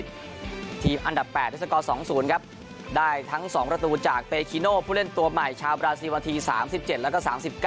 ทีมอันดับ๘ได้ทั้ง๒ประตูจากเปคิโน่ผู้เล่นตัวใหม่ชาวบราศีวาธี๓๗แล้วก็๓๙